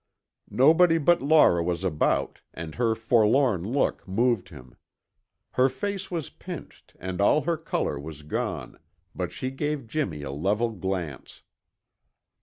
Nobody but Laura was about and her forlorn look moved him. Her face was pinched and all her color was gone, but she gave Jimmy a level glance.